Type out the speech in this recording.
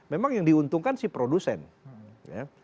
memang yang diuntungkan si produsen ya